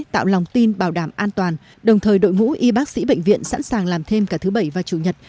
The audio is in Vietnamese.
tạo lòng tin bảo đảm an toàn đồng thời đội ngũ y bác sĩ bệnh viện sẵn sàng làm thêm cả thứ bảy và chủ nhật